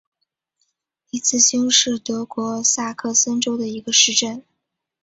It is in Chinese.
里茨兴是德国萨克森州的一个市镇。